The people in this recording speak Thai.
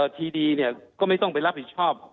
ทีดีก็ไม่ต้องไปรับผิดชอบ